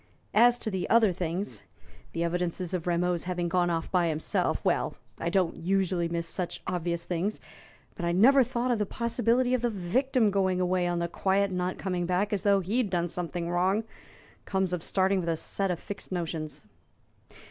As to the other things the evidences of Rameau's having gone off by himself well, I don't usually miss such obvious things; but I never thought of the possibility of the victim going away on the quiet and not coming back, as though he'd done something wrong. Comes of starting with a set of fixed notions."